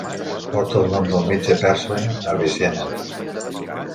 Porta el nom del metge persa Avicenna.